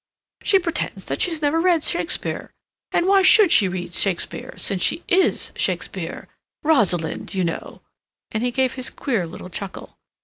She pretends that she's never read Shakespeare. And why should she read Shakespeare, since she IS Shakespeare—Rosalind, you know," and he gave his queer little chuckle.